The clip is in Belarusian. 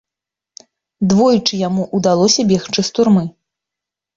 Двойчы яму ўдалося бегчы з турмы.